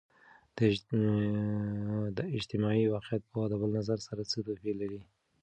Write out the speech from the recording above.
د اجتماعي واقعیت پوهه د بل نظر سره څه توپیر لري؟